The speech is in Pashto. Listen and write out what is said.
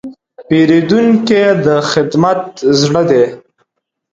پیرودونکی د خدمت زړه دی.